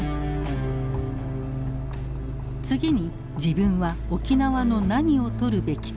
次に自分は沖縄の何を撮るべきか。